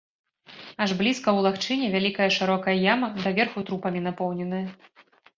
Аж блізка ў лагчыне вялікая шырокая яма, даверху трупамі напоўненая.